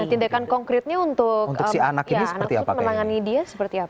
nah tindakan konkretnya untuk si anak ini seperti apa